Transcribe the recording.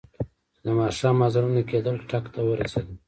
چې د ماښام اذانونه کېدل، ټک ته ورسېدم.